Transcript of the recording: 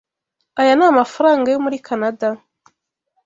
Aya ni amafaranga yo muri Kanada?